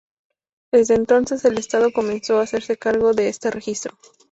Desde entonces, el Estado comenzó a hacerse cargo de este registro.